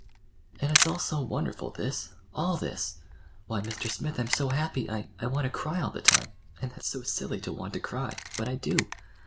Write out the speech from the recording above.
"And it's all so wonderful, this—all this! Why Mr. Smith, I'm so happy I—I want to cry all the time. And that's so silly—to want to cry! But I do.